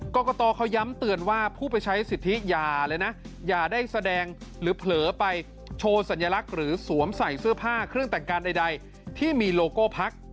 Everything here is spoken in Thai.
กรกตเขาย้ำเตือนว่าผู้ไปใช้สิทธิอย่าเลยนะอย่าได้แสดงหรือเผลอไปโชว์สัญลักษณ์หรือสวมใส่เสื้อผ้าเครื่องแต่งกายใดที่มีโลโก้พัก